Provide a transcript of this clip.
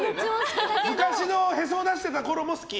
昔のへそを出していたころも好き？